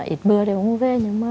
ít mưa thì ông cũng về nhưng mà